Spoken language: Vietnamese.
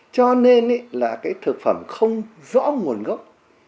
cho nên là thực phẩm không rõ nguồn gốc